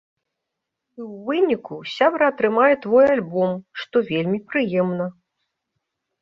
І ў выніку сябра атрымае твой альбом, што вельмі прыемна.